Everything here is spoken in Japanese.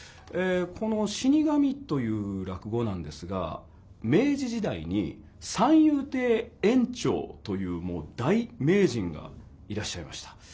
この「死神」という落語なんですが明治時代に三遊亭圓朝というもう大名人がいらっしゃいました。